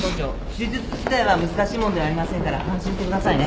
手術自体は難しいもんではありませんから安心してくださいね。